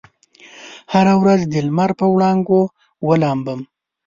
هره ورځ دلمر په وړانګو ولامبم